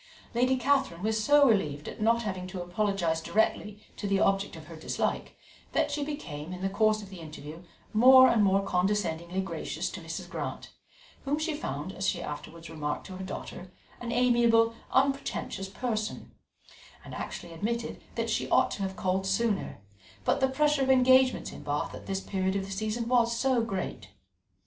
Lady Catherine was so relieved at not having to apologize directly to the object of her dislike, that she became, in the course of the interview, more and more condescendingly gracious to Mrs. Grant, whom she found, as she afterwards remarked to her daughter, an amiable, unpretentious person; and actually admitted that she ought to have called sooner, but the pressure of engagements in Bath at this period of the season was so great.